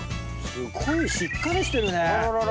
すごいしっかりしてるね。